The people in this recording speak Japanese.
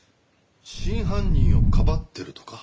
真犯人をかばってるとか？